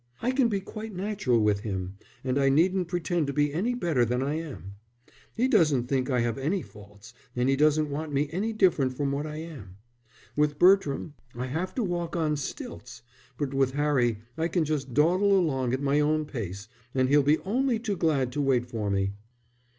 I can be quite natural with him, and I needn't pretend to be any better than I am. He doesn't think I have any faults and he doesn't want me any different from what I am. With Bertram I have to walk on stilts, but with Harry I can just dawdle along at my own pace, and he'll be only too glad to wait for me."